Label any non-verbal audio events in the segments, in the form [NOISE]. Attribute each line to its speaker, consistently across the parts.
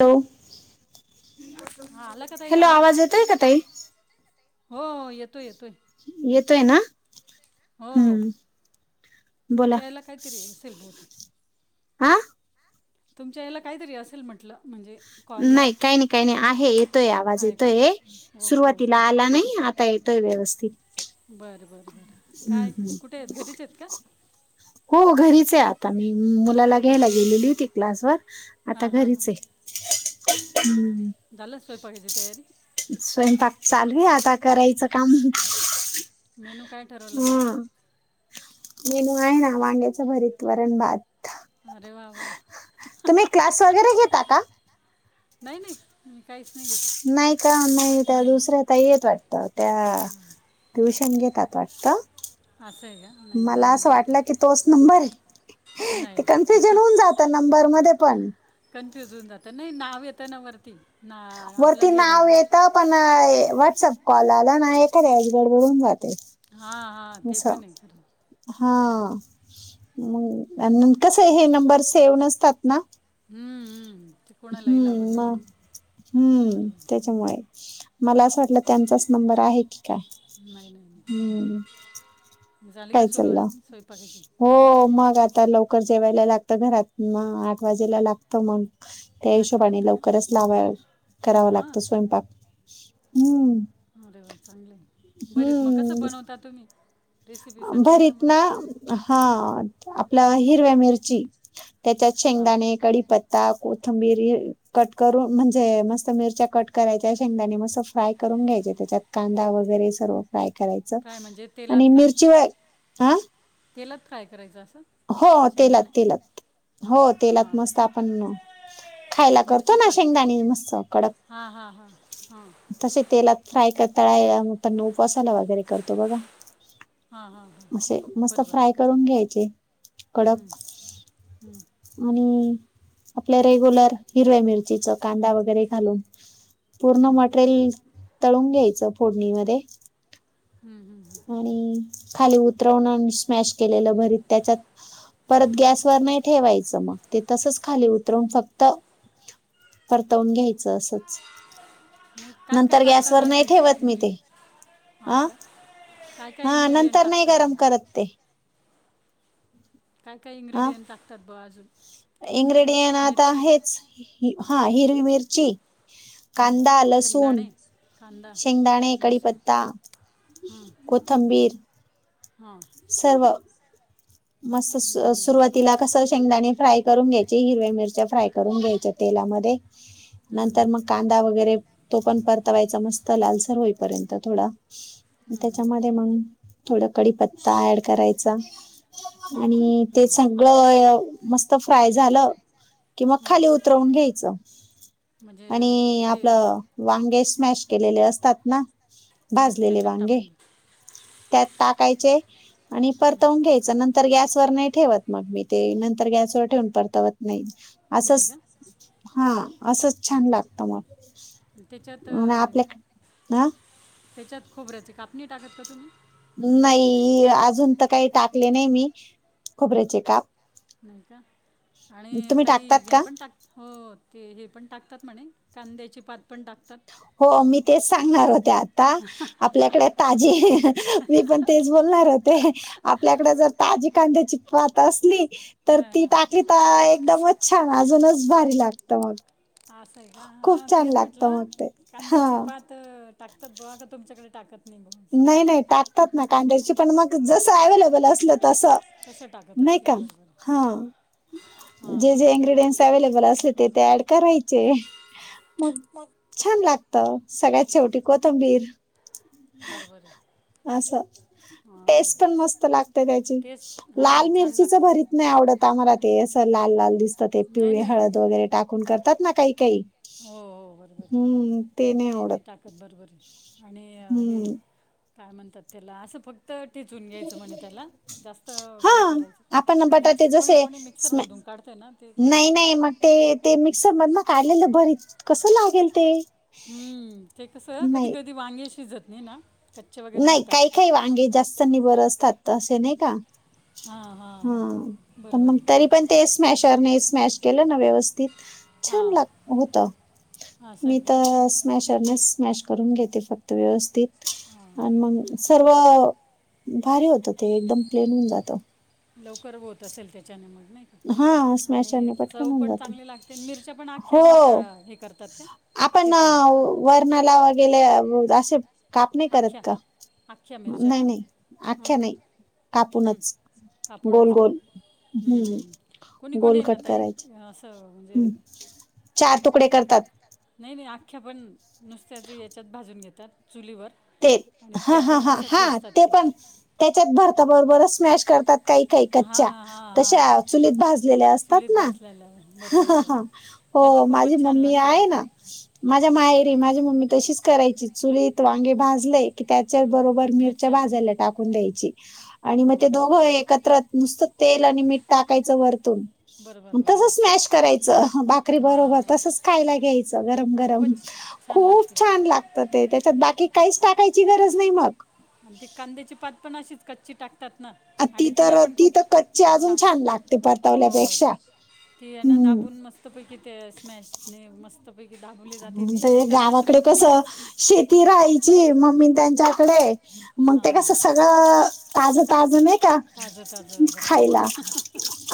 Speaker 1: Hello, hello आवाज येतोय का ताई?
Speaker 2: हो येतोय, येतोय.
Speaker 1: येतोय ना.
Speaker 2: हो हो, तुमच्या याला काहीतरी असेल बहुतेक.
Speaker 1: हा.
Speaker 2: तुमच्या याला काहीतरी असेल म्हटलं म्हणजे
Speaker 1: नाही काही नाही, काही नाही आहे येतोय आवाज येतोय, सुरुवातीला आला नाही आ येतोय व्यवस्थित.
Speaker 2: बरं, बरं काय कुठे आहेत घरीच आहेत का?
Speaker 1: हो घरीच आहे आता मी मुलाला घ्यायला गेलेली होती क्लासवर. आता घरीच आहे, हम्म.
Speaker 2: स्वयंपाकाची तयारी.
Speaker 1: स्वयंपाक चालू हे आता करायचं काम.
Speaker 2: मेनू काय ट
Speaker 1: हा, मेणू आहे ना वांग्याचं भरीत वर्ण - भात.
Speaker 2: अरे वा! वा! नाही, नाही काहीच
Speaker 1: नाही का नाही त्या दुसऱ्या ताई येत वाटत त्या ट्युशन घेतात वाटत, मला असं वाटलं की तोच नंबर आहे.
Speaker 2: नाही.
Speaker 1: नंबर मध्ये पण.
Speaker 2: कन्फ्युज होऊन जातं नाही नाव येतं ना वरती, आपलं हे राहिलं.
Speaker 1: पण व्हॉट्सअप कॉल आला ना एखाद्या वेळेस गडबड होऊन जाते.
Speaker 2: हा, हा ते पण आहे.
Speaker 1: हा, हम कस हे नंबर सेव्ह नसतात ना. हम्म म, हम्म त्याच्यामुळे. मला असं वाटलं त्यांचाच नंबर आहे की काय?
Speaker 2: नाही, नाही, नाही, झाली का सुरुवात स्वयंपाकाची.
Speaker 1: हो मग आता लवकर जेवायला लागतं घरात मग आठ वाजेला लागत म. त्या हिशोबाने लवकरच लावा करावं लागतं स्वयंपाक, हम्म.
Speaker 2: अरे वा! चांगलय, भरीत म कसं बनवता तुम्ही?
Speaker 1: भरीत ना. हा आपला हिरव्या मिरची, त्याच्यात शेंगदाणे, कडीपत्ता. ता कोथंबिरी कट करून म्हणजे मस्त मिरच्या कट करायच्या शेंगदाने मस्त फ्राय करून घ्याच्या त्याच्यात कांदा वगैरे सर्व फ्राय करायचं. [UNINTELLIGIBLE] आ.
Speaker 2: तेलात फ्राय करायचं असं.
Speaker 1: हो तेलात, तेलात, हो तेलात मस्त आपण खायला करतो ना शेंगदाणी मस्त कडक.
Speaker 2: ह हा हा
Speaker 1: तसे तेलात फ्राय कर तळा मग पणऊप वसाला वगैरे करतो बघा असे मस्त फ्राय करून घ्यायचे
Speaker 2: हम्म हम्म
Speaker 1: आणि आपल्या रेग्युलर हिरव्या मिरचीच कांदा वगैरे घालून पूर्ण मटेरियल तळून घ्यायचं फोडणीमध्ये
Speaker 2: हम् हम् हम
Speaker 1: आणि खाली उतरवणार स्मॅश केलेलं भरीत त्याच्यात परत गॅसवर नाही ठेवायचं मग ते तसच खाली उतरून फक्त परतवून घ्यायचं असंच नंतर गॅसवरर नाही ठेवत मी ते अं हा नंतर नाही गरम करत ते
Speaker 2: काय काय इनग्र्रीडियंट लागतात ब अजून
Speaker 1: इनग्रेडियंट आता आहेच हा हिरवी मिरची कांदा लसुण शेंगदाणे कढीपत्ता
Speaker 2: हम्म
Speaker 1: कोथंबीर
Speaker 2: हां
Speaker 1: सर्व म सुरुवातीला कस शेंगदाणी फ्राय करून घ्यायची हिरव्या मिरच्या फ्राय करून घ्यायच्या तेलामध्ये नंतर मग कांदा वगैरे तो पण परतवायचा मस्त लालसर होईपर्यंत थोडा त्याच्यामध्ये मग थोड कडीीपत्ता ऍड करायचा आणि ते सगळं मस्त फ्राय झालं कि मग खाली उतरवून घ्यायचं आणि आपलं वांगे स्मॅश केलेले असतात ना भाजलेले वांगे त्यात टाकायचे आणि परतवून घ्यायचे नंतर गॅसवर नाही ठेवत मग मी ते नंतर गॅसवर ठेवून परतवत नाही.
Speaker 2: नाही का
Speaker 1: हा असंच छान लागतं मग अन् आपल्याक ह
Speaker 2: हच्यात खोबऱ्याचे काप नाही टाकत का तुम्ही?
Speaker 1: नाही अजून त काही टाकले नाही मी खोबऱ्याचे काप.
Speaker 2: नाही का आणि ताई हे पण टाक हो ते हे पण टाकतात म्हणे कांद्याचे पात पण टाकतात.
Speaker 1: हो मी तेच सांगणार होते आता आपल्याकडे ताजी [UNINTELLIGIBLE] मी पण तेच बोलणार होते. आपल्याकडे जर ताजी कांद्याची पात असली तर ती टाकली तर एकदमच छान अजूनच भारी लागत मग.
Speaker 2: असं आहे का हां तेच म्हटलं कांद्याची पात टाकतात बवा का तुमच्याकडे टाकत
Speaker 1: नाही-नाही टाकतात ना कांद्याची पण मग जसं अवेलेबल असलं तस. नाही का हा जे-जे इन्ग्रेडिएंट्स अवलेबल असले ते ते ऍड करायचे मग छान लाग तर सगळ्यात शेवटी कोतंबीर
Speaker 2: बरबर आहे
Speaker 1: अससं टेस्ट मस्त लागते त्याची लाल मिरचीच भरीत नाही आवडत. आता आम्हाला ते असं लाल-लाल दिसतं ते पिवळे हळद वगैरे टाकून करतात ना काही-काही हम्म ते नाही आवडत.
Speaker 2: बरोबर आहे आणि हे काय म्हणतात त्याला असं फक्त फक्त ठेचून घ्यायचं म्हणे त्याला जास्त हे करायचं मिक्स कोणी-कोणी मिक्सर मधून काढते ना ते काही
Speaker 1: ते मिक्सर मधन काढलेलं भरीत कसं लागेल ते?
Speaker 2: हम्म ते कसं कधी-कधी वांगे शिजत नाही ना.
Speaker 1: नाही काही-काही वांगे जास्त निबर असतात असे नाही का हा पण मग तरी पण ते स्मॅशरने स्मॅश केलं ना व्यवस्थित छान लाग होत मी तर स्मॅशरनेस स्मॅश करून घेते फक्त व्यवस्थित आण मग सर्व भारी होत ते एकदम प्लेन होऊन जातं.
Speaker 2: लवकर होत असेल त्याच्याने मग नाही आणि चव पण चांगली लागते मिरच्या पण आख्याच अशा हे करतात का?
Speaker 1: आपण वरणाला वगेले असे काप नाही करत का नाही-नाही आख्या नाही. कापूनच गोल-गोल हम्म
Speaker 2: कोणी-कोणी ये ना ताई असं म्हणजे
Speaker 1: चार तुकडे करतात.
Speaker 2: नाही-नाही अख्ख्या पण नुसत्याच याच्यात भाजून घेतात चुलीवर
Speaker 1: ते ह-ह-ह-हा ते पण त्याच्यात भरताबरोबरच स्मॅश करतात. काही-काही कच्च्या तशा चुलीत भाजलेल्या असतात ना [UNINTELLIGIBLE] हो माझी मम्मी आहे ना. माझ्या माहेरी माझी मम्मी तशीच करायची चुलीत वांगे भाजले की त्याच्या बरोबर मिरच्या भाजायला टाकून द्यायची आणि मग ते दोघं एकत्र नुसतं तेल आणि मीठ टाकायचं वरतून तसच मॅश करायचं भाकरी बरोबर तसच खायला घ्यायचं गरम-गरम खूप छान लागत ते त्याच्यात बाकी काहीच टाकायची गरज नाही मग.
Speaker 2: आणि ते कांद्याची पात पण अशीच कच्ची टाकतात ना
Speaker 1: आ ती तर ती तर कच्चे अजून छान लागते परतवल्यापेक्षा
Speaker 2: ती ह ना दाबून मस्त पैकी ते स्मॅश मस्त पैकी दाबवले जाते ते नाही तरर माशी कुठणी
Speaker 1: शेती राहायची मम्मी त्यांच्याकडे मग ते कसं सगळं ताजं ताजं नाही का
Speaker 2: ताजं तजं बरं बर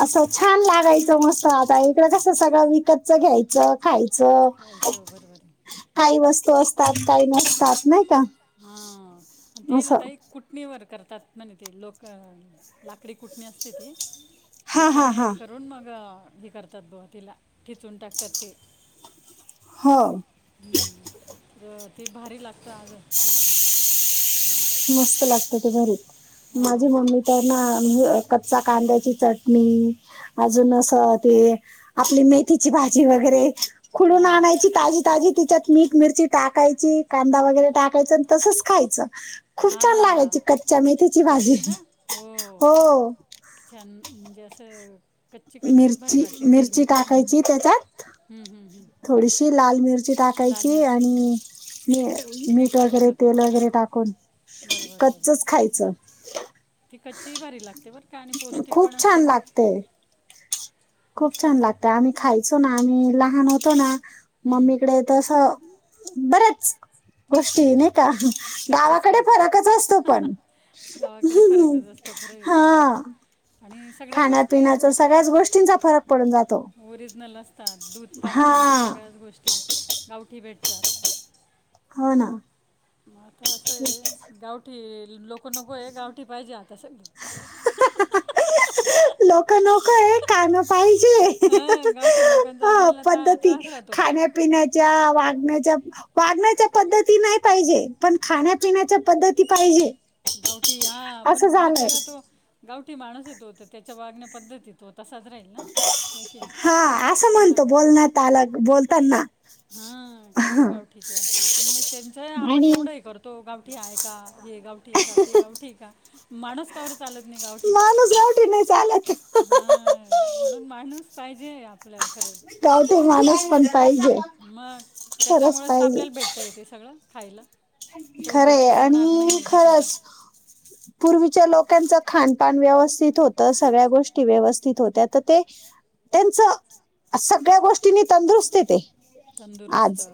Speaker 1: असं छान लागायचं मस्त आता इकडं कस सगळं विकतचं घ्यायचं खायचं
Speaker 2: खयच बर बर
Speaker 1: काही वस्तू असतात काही नसतात नाही का
Speaker 2: हा ते नाताई कुटणीवर करतात म्हणे ते लोक लाकडी कुठणी असते ती तिच्याने करून मग हेी करते तद्भवती ला किचुंटाकत ते
Speaker 1: हो
Speaker 2: हम्म ते भारी लागत आज
Speaker 1: मस्त लागत ते घरी माझी मम्मी तर ना कच्चा कांद्याची चटणी अजून अस ते आपली मेथीची भाजी वगैरे खुडून आणायची ताजी ताजी तिच्यात मीठ मिरची टाकायची कांदा वगैरे टाकायचा तसच खायचं
Speaker 2: हां कच्ची ना हो कि छान म्हणजे असं कच्ची कच्चीच भारी लागते तेल मीठ टाकून
Speaker 1: थोडीशी लाल मिरची टाकायची आणि म मीठ वगैरे तेल वगैरे टाकून कच्चच खायचं
Speaker 2: ती कच्ची भारी लागते
Speaker 1: खूप छान लागते खूप छान लागते आम्ही खायचो ना आम्ही लहान होतो ना मम्मीकडे तस बऱ्याच गोष्टी नाही का गावाकडे फरकच असतो पण
Speaker 2: गावाकडे फरकच असतो खरं यथो आणि सगळ्या गोष्टी ग ओरिजनल अस असतात दूध पासून तर सगळ्याच गोष्टी गावठी भेटतात
Speaker 1: हो ना
Speaker 2: म आता असं आहे गावठी लोक नको आहे गावठी पाहिजे आता सगळे
Speaker 1: लोक लोक हे कानं पाहिजे ह पद्धती खाण्यापिण्याच्या वागण्याच्या वागण्याच्या पद्धती नाही पाहिजे पण खाण्यापिण्याच्या पद्धती पाहिजे
Speaker 2: गावठी हा पण बिचारा तो गावठी माणसेत होत त्याच्या वागण्या पद्धतीत होत तसाच राहील ना हे की नाही मग
Speaker 1: ल बोलतना
Speaker 2: हा काय तो गावठीचे असं पण मग त्यांच आपण एवढं करतो तो गावठी आहे का हे गावठी का ते गावठी का माणूस कावर चालत नाही गावठी हा म्हणून माणूस पाहिजे आहे आपल्या खरच
Speaker 1: कावटे माणूस पण पाहिजे
Speaker 2: मग त्याच्यामुळेच त आपल्याला भेटता येते सगळं खायला तो जर पिकवणार नाहीये बिचारा
Speaker 1: पूर्वीच्या लोकांचं खानपान व्यवस्थित होतं सगळ्या गोष्टी व्यवस्थित होत्या तर ते त्यांच सगळ्या गोष्टींनी तंदुरुस्त येते आज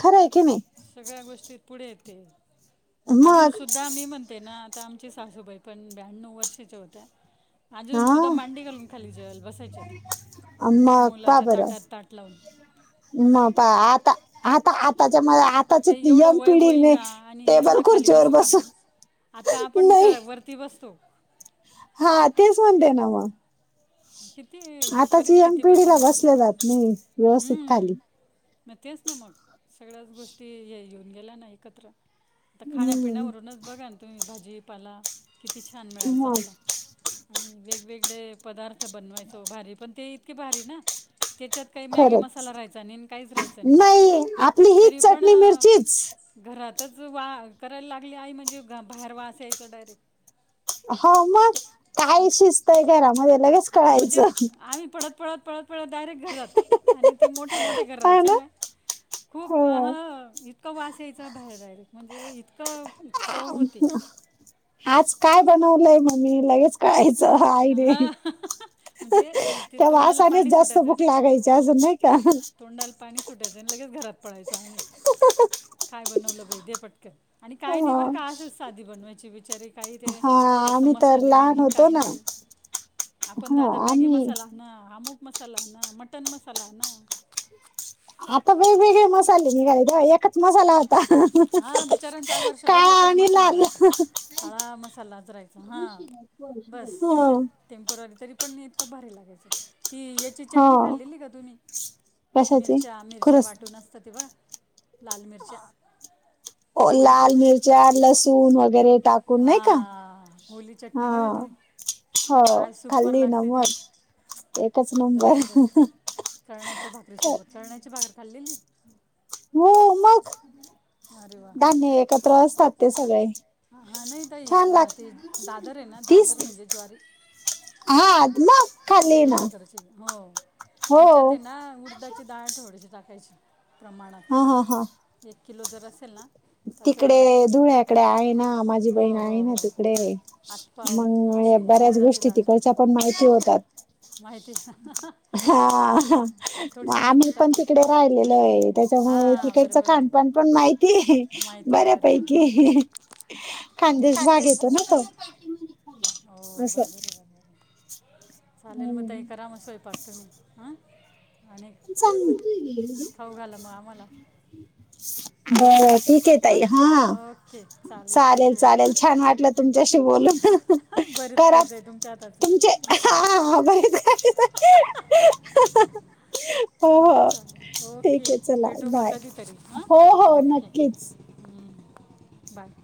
Speaker 1: खरं आहे की नाही
Speaker 2: सगळ्या गोष्टी पुढे येते अजून सुद्धा मी म्हणते ना आता आमची सासूबाई पण ब्याण्णव वर्षाच्या होत्या अजून सुद्धा मांडी घालून खाली जेवायला बसायच्या त्या
Speaker 1: आम्म का बरं म प आता आता आताच्या म
Speaker 2: आता एवढं वय होईल का आणि एवढं खाली बसू का आता आपण वर ती वस्तू
Speaker 1: हा तेच म्हणते ना मग
Speaker 2: किती परिस्थिती बदलून गेली हम्म मग तेच ना मग सगळ्याच गोष्टी हे येऊन गेल्या ना एकत्र आता खाण्यापिण्यावरूनच बघा ना तुम्ही भाजी पाला किती छान मिळायचा आपला आणि वेगवेगळे पदार्थ बनवायचो भारी पण ते इतके भारी ना त्याच्यात काही मॅगी मसाला राहायचा नाही आणि काहीच राहायचं नाही तरी पण घरातच वा करायला लागली आई म्हणजे बाहेर वास यायचा डायरेक्ट
Speaker 1: हो मग काही शिस्त आहे घरामध्ये लगेच
Speaker 2: म्हणजे आम्ही पडत पडत पडत पडत डायरेक्ट घर जात आणि ते मोठे मोठे करायचे ना खूप इतकं वास यायचा बाहेर डायरेक्ट म्हणजे इतकं
Speaker 1: आज काय बनवलंय मममी लगेच कायच आहेाय रे ते वासानेच जास्त भूक लागायची अजून नाही का
Speaker 2: पाणी सुटायचं आणि लगेच घरात पळायचो आम्ही काय बनवलं पाहिजे दे पटकन आणि काय नाही बरं का असच साधी बनवायची बिचारी काही ते जस मसाले नाही काही नाही आपण तर आता मॅगी मसाला ना अमुक मसाला ना मटन मसाला ना
Speaker 1: आता वेगवेगळे मसाले निघालेत एकच मसाला
Speaker 2: हा बिचार्यांचं वर्ष भर एकच मसाला राहायचा खळा मसालाचं रहायचा
Speaker 1: हो
Speaker 2: टेम्परवारी तरी पण इतकं भारी लागायचं ती याची चटणी खाल्लेली का तुम्ही मिरच्या मिरच्या वाटून अस तं तेव्हा लाल मिरच्या ओली चटणी हा ओली चटणी बघा तुम्ही काय सुपर लागते ती जबरदस्त कळण्याच्या भाकरीसोबत कळण्याची भाकरी खाल्लेली
Speaker 1: हो मग धान्य एकत्र असतात ते सगळे
Speaker 2: हा नाही ताई ते दादर आहे ना दादर म्हणजे ज्वारी तिकडे धुळ्या कडची हो तिच्यात हे ना उडदाची डाळ थोडीशी टाकायची प्रमाणात
Speaker 1: हा हा हा
Speaker 2: एक किलो जर असेल ना
Speaker 1: तिकडे धुळ्याकडे आहे ना माझी बहीण आहे ना तिकडे मंग बऱ्याच गोष्टी तिकडच्या पण माहिती होतात
Speaker 2: माहिती
Speaker 1: हा आम्ही पण तिकडे राहिलेलो आहे त्याच्यामुळे तिकडचं खानपण पण माहितीय बऱ्यापैकी खाणदेश भाग येतो ना तो
Speaker 2: हो बरोबर हे चालेल मग ताई करा म स्वयंपाक तुम्ही हं आणि खाऊ घाला मग आम्हाला
Speaker 1: बरं ठीक आहे ताई हा चालेल चालेल छान वाटलं तुमच्याशी बोलून तर
Speaker 2: बरचायचंय तुमच्या
Speaker 1: तुमचे हा बरच काच
Speaker 2: ह चालेल चालेल ओके भेटू मग कधीतरी हां ओके बाय